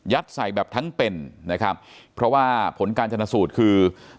ยัดใส่แบบทั้งเป็นเพราะว่าผลการจรรย์สูตรคือ